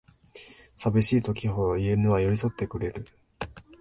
さびしい時ほど犬は寄りそってくれる